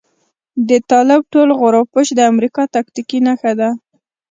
د طالب ټول غور او پش د امريکا تاکتيکي نښه ده.